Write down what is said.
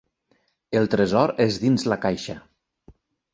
El tresor és dins la caixa.